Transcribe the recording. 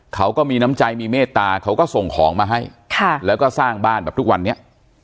เขาก็มีน้ำใจมีเมตตาเขาก็ส่งของมาให้ค่ะแล้วก็สร้างบ้านแบบทุกวันนี้